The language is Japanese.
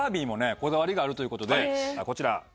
こだわりがあるということでこちら。